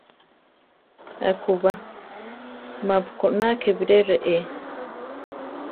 Akúba: mapu koná ké biré reé.